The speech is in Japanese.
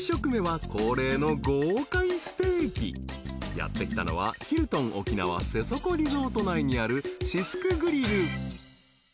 ［やって来たのはヒルトン沖縄瀬底リゾート内にあるシスクグリル］